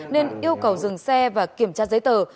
nên yêu cầu dừng xe và kiểm tra giấy tờ